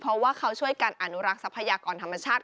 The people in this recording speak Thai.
เพราะว่าเขาช่วยกันอนุรักษ์ทรัพยากรธรรมชาติ